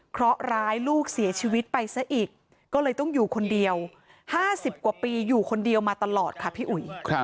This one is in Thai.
เพราะร้ายลูกเสียชีวิตไปซะอีกก็เลยต้องอยู่คนเดียว๕๐กว่าปีอยู่คนเดียวมาตลอดค่ะพี่อุ๋ย